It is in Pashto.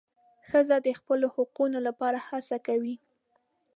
ښځه د خپلو حقونو لپاره هڅه کوي.